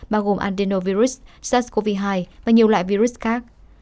bao gồm andenovirus sars cov hai và nhiều loại virus khác